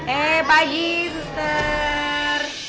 eh pagi suster